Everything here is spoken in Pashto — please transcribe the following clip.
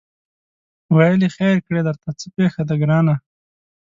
ویل خیر کړې درته څه پېښه ده ګرانه